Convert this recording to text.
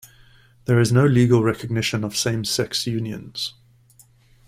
There is no legal recognition of same-sex unions.